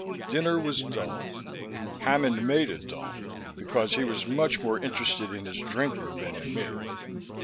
Dinner was dull. Hammond made it dull, because he was much more interested in his drinking than in me.